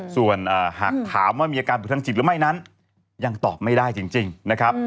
ส่วนหากถามว่ามีอาการปลูกทางจิตหรือไม่นั้นยังตอบไม่ได้จริงนะครับ